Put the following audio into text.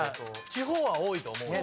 地方は多いと思うねん。